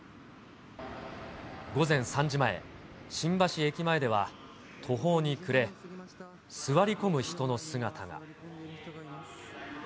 午前３時前、新橋駅前では途方に暮れ、座り込む人の姿が。